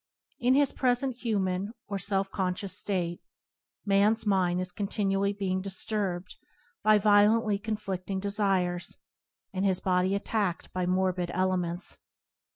In his present human or self conscious state, man's mind is con tinually being disturbed by violently con flicting desires, and his body attacked by morbid elements.